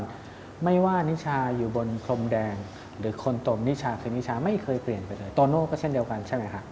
ตัวนิชาคือนิชาไม่เคยเปลี่ยนไปเลยตัวโน้นก็เช่นเดียวกันใช่ไหมคะ